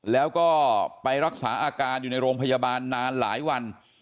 แล้วก็ไปรักษาอาการอยู่ในโรงพยาบาลนานหลายวัน